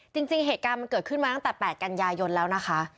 จริงเหตุการณ์มันเกิดขึ้นมาตั้งแต่๘กันยายนแล้วนะคะ